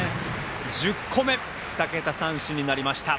１０個目、２桁三振になりました。